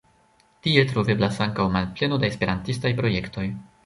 Tie troveblas ankaŭ manpleno da esperantistaj projektoj.